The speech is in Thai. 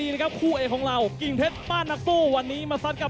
ให้ดีนะครับคู่เอกของเรากิงเทศบ้านนักสู้วันนี้มาสร้างกับ